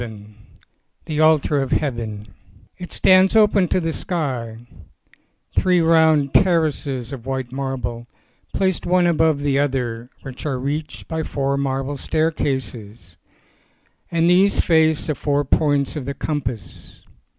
VII THE ALTAR OF HEAVEN IT stands open to the sky, three round ter races of white marble, placed one above the other, which are reached by four marble staircases, and these face the four points of the compass.